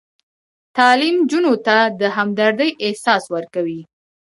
تعلیم نجونو ته د همدردۍ احساس ورکوي.